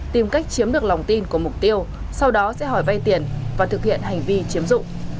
tìm cách chiếm được lòng tin của mục tiêu sau đó sẽ hỏi vay tiền và thực hiện hành vi chiếm dụng